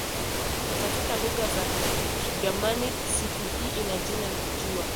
Katika lugha za Kigermanik siku hii ina jina la "jua".